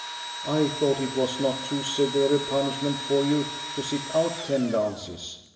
" I thought it was not too severe a punishment for you to sit out ten dances.